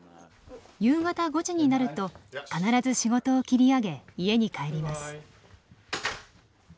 夕方５時になると必ず仕事を切り上げ家に帰ります。